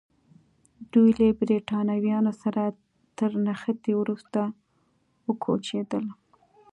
دوی له برېټانویانو سره تر نښتې وروسته وکوچېدل.